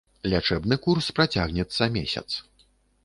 Лячэбны курс працягнецца месяц.